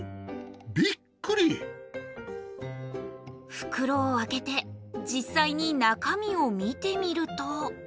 ふくろを開けて実際に中身を見てみると。